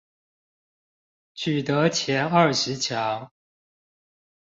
取得前二十強